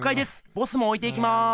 ボスもおいていきます！